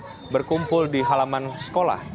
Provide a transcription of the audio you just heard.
mereka berkumpul di halaman sekolah